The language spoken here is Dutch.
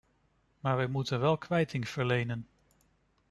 Maar wij moeten wel kwijting verlenen.